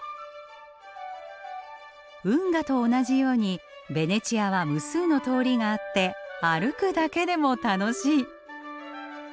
運河と同じようにベネチアは無数の通りがあって歩くだけでも楽しい。